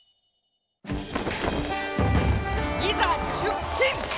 いざ出勤！